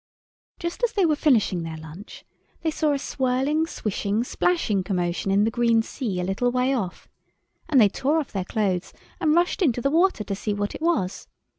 Just as they were finishing their lunch they saw a swirling, swishing, splashing commotion in the green sea a little way off, and they tore off their clothes and rushed into the water to see what it was.